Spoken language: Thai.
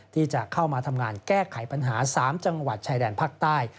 ที่จะเข้ามาทำงานแก้ไขปัญหา๓จังหวัดชายแดนภาคใต้